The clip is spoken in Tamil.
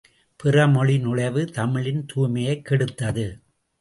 பிறமொழி நுழைவு தமிழின் தூய்மையைக் கெடுத்தது.